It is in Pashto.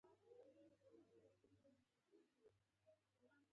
ښه عمل د ټولنې لپاره ګټور دی.